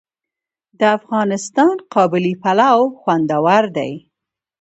د افغانستان قابلي پلاو خوندور دی